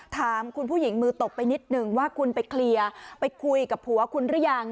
ถามคุณผู้หญิงมือตบไปนิดนึงว่าคุณไปเคลียร์ไปคุยกับผัวคุณหรือยัง